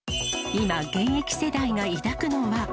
今、現役世代が抱くのは。